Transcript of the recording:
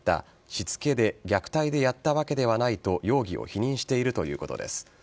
しつけで虐待でやったわけではないと容疑を否認しているということです。